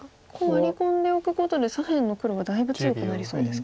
ワリ込んでおくことで左辺の黒はだいぶ強くなりそうですか。